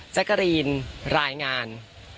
แจ๊กกะรีนรายงาน